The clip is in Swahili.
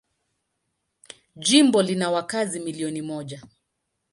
Jimbo lina wakazi milioni moja.